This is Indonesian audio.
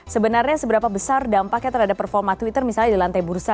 sebenarnya seberapa besar dampaknya terhadap performa twitter misalnya di lantai bursa